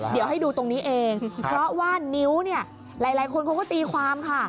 เดี๋ยวให้ดูตรงนี้เองเพราะว่านิ้วเนี่ยหลายคนเขาก็ตีความค่ะ